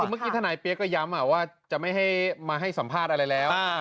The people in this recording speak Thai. คือเมื่อกี้ทนายเปี๊ยกก็ย้ำว่าจะไม่ให้มาให้สัมภาษณ์อะไรแล้ว